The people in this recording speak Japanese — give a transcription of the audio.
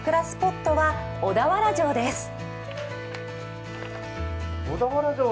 スポットは小田原城です。